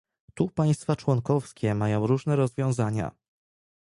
Tu państwa członkowskie mają różne rozwiązania